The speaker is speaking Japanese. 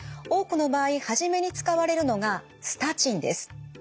多くの場合初めに使われるのがスタチンです。